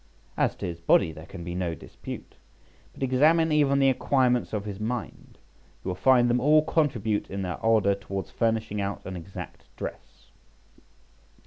As to his body there can be no dispute, but examine even the acquirements of his mind, you will find them all contribute in their order towards furnishing out an exact dress.